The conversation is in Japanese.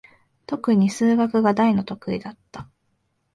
とくに数学が大の得意だった。